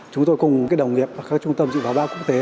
chúng tôi cùng cái đồng nghiệp các trung tâm dự báo báo quốc tế